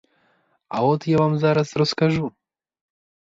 А от я вам зараз розкажу.